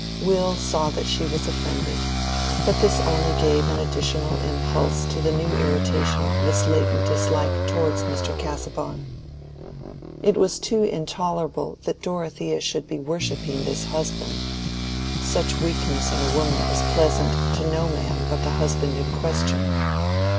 Will saw that she was offended, but this only gave an additional impulse to the new irritation of his latent dislike towards Mr. Casaubon. It was too intolerable that Dorothea should be worshipping this husband: such weakness in a woman is pleasant to no man but the husband in question.